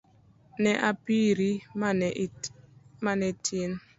Ne a piri mane itin